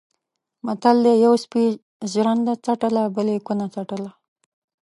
متل دی: یوه سپي ژرنده څټله بل یې کونه څټله.